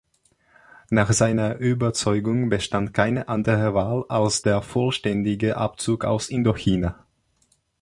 Nach seiner Überzeugung bestand keine andere Wahl als der vollständige Abzug aus Indochina.